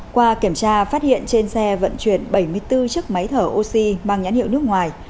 qua kiểm tra phát hiện trên xe vận chuyển bảy mươi bốn chiếc máy thở oxy mang nhãn hiệu nước ngoài